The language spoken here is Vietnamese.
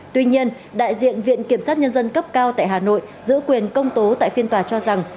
tuy nhiên đại diện viện kiểm sát nhân dân cấp cao tại hà nội giữ quyền công tố tại phiên tòa cho rằng